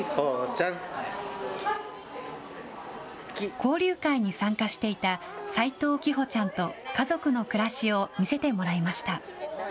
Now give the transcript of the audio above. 交流会に参加していた齋藤希帆ちゃんと家族の暮らしを見せてもらいました。